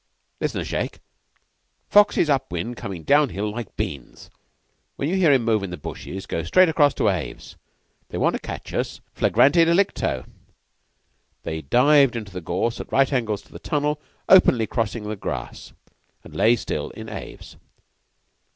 "Listen a shake. Foxy's up wind comin' down hill like beans. When you hear him move in the bushes, go straight across to Aves. They want to catch us flagrante delicto." They dived into the gorse at right angles to the tunnel, openly crossing the grass, and lay still in Aves.